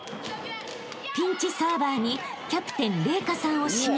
［ピンチサーバーにキャプテン麗華さんを指名］